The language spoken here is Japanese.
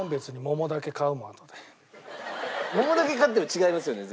桃だけ買っても違いますよね